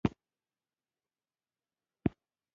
د زړونو یووالی یو نه هېرېدونکی خوند لري.